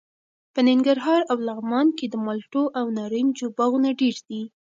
په ننګرهار او لغمان کې د مالټو او نارنجو باغونه ډېر دي.